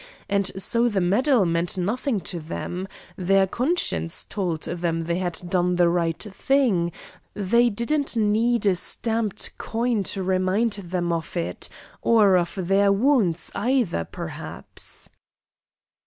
And so the medal meant nothing to them: their conscience told them they had done the right thing; they didn't need a stamped coin to remind them of it, or of their wounds, either, perhaps."